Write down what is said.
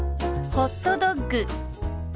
「ホットドッグ」。